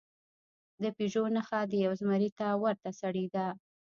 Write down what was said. د پېژو نښه د یو زمري ته ورته سړي ده.